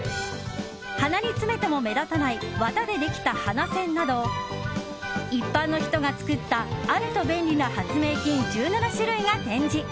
鼻に詰めても目立たない綿でできた鼻栓など一般の人が作ったあると便利な発明品１７種類が展示。